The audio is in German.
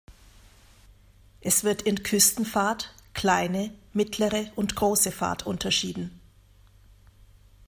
Es wird in Küstenfahrt, Kleine, Mittlere und Große Fahrt unterschieden.